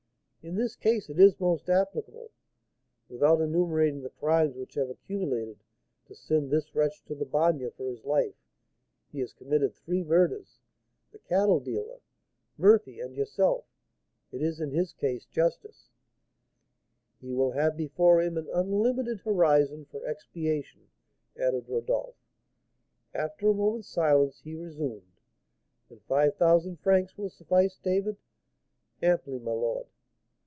In this case it is most applicable. Without enumerating the crimes which have accumulated to send this wretch to the Bagne for his life, he has committed three murders, the cattle dealer, Murphy, and yourself; it is in his case justice " "He will have before him an unlimited horizon for expiation," added Rodolph. After a moment's silence he resumed: "And five thousand francs will suffice, David?" "Amply, my lord."